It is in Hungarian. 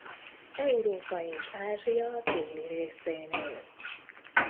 Európa és Ázsia déli részén él.